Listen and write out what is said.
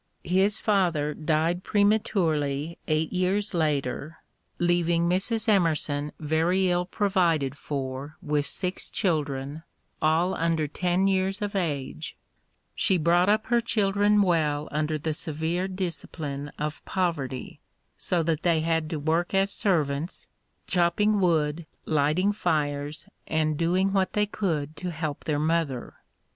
His father died prematurely eight years later, leaving Mrs. Emerson very ill provided EMERSON 133 for with six children, all under ten years of age» She brought up her children well under the severe discipline of poverty, so that they had to work as servants, chopping wood, lighting fires, and doing what they could to help their mother.